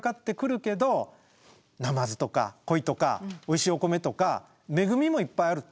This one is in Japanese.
ナマズとかコイとかおいしいお米とか恵みもいっぱいある。